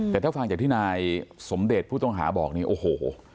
แต่ถ้าฟังจากที่นายสมเดชผู้ต้องหาบอกนี่โอ้โห